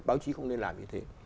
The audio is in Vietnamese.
báo chí không nên làm như thế